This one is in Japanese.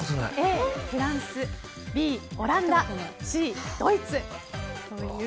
Ａ、フランスＢ、オランダＣ、ドイツ。